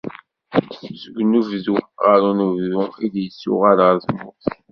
Seg unebdu ɣer unebdu i d-yettuɣal ɣer tmurt.